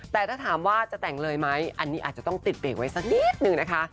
แต่ถ้าถามว่าจะแต่งเลยไหมอันนี้อาจจะต้องติดเบรกไว้สักนิดนึงนะคะ